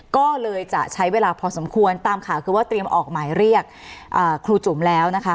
ก็เลยจะใช้เวลาพอสมควรตามข่าวคือว่าเตรียมออกหมายเรียกครูจุ๋มแล้วนะคะ